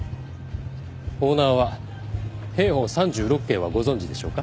オーナーは『兵法三十六計』はご存じでしょうか？